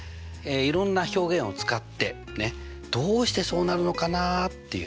いろんな表現を使ってどうしてそうなるのかなっていうね